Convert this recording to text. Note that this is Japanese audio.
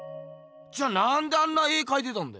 じゃあなんであんな絵かいたんだ？